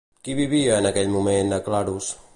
Qui vivia, en aquell moment, a Claros?